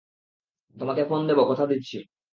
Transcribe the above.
তোমাকে ফোন দেব, কথা দিচ্ছি।